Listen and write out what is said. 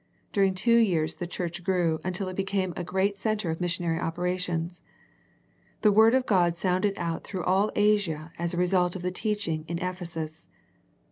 During two years the church grew until it be came a great centre of missionary operations. The Word of God sounded out through all Asia as the result of the teaching in Ephesus.